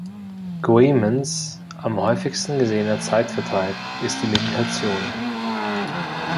Goemons am häufigsten gesehener Zeitvertreib ist die Meditation.